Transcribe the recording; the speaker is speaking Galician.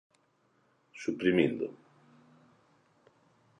Suprimido.